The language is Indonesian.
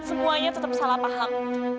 semuanya tetap salah paham